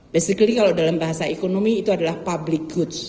basically kalau dalam bahasa ekonomi itu adalah public goods